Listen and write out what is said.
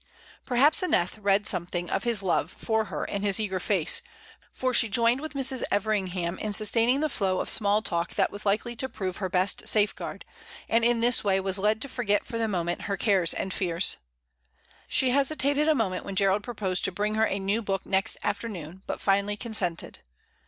Perhaps Aneth read something of his love for her in his eager face, for she joined with Mrs. Everingham in sustaining the flow of small talk that was likely to prove her best safeguard, and in this way was led to forget for the moment her cares and fears. She hesitated a moment when Gerald proposed to bring her a new book next afternoon, but finally consented.